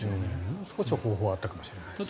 もう少し方法はあったかもしれないですね。